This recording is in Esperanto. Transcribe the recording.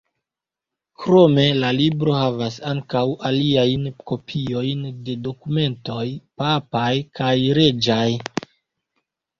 Krome la libro havas ankaŭ aliajn kopiojn de dokumentoj papaj kaj reĝaj.